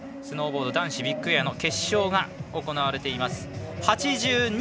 スノーボード男子ビッグエアの決勝が行われています。